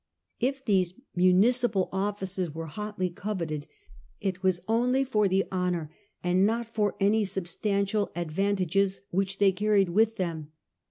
If these municipal offices were hotly coveted it was only for the honour and not for any substantial advantages which they carried with them.